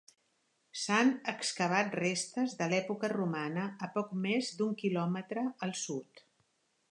S'han excavat restes de l'època romana a poc més d'un quilòmetre al sud.